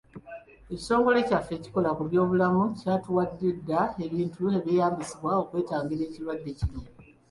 Ekitongole kyaffe ekikola ku by'obulamu kyatuwadde dda ebintu ebyeyambisibwa okwetangira ekirwadde kino.